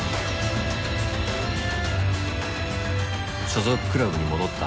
所属クラブに戻った碧。